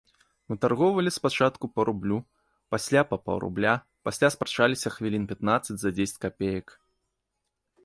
Вытаргоўвалі спачатку па рублю, пасля па паўрубля, пасля спрачаліся хвілін пятнаццаць за дзесяць капеек.